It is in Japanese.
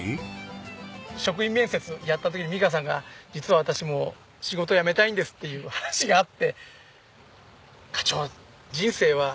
職員面接やった時に美香さんが「実は私もう仕事辞めたいんです」っていう話があって「課長人生は一度だけなんです！」